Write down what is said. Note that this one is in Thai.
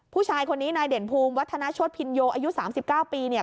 ผู้ชายคนนี้นายเด่นภูมิวัฒนาชพินโยอายุ๓๙ปีเนี่ย